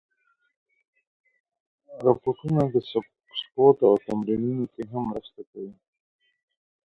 روبوټونه د سپورت په تمرینونو کې هم مرسته کوي.